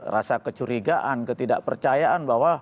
rasa kecurigaan ketidak percayaan bahwa